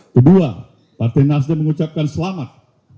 kedua partai nasdem mengucapkan selamat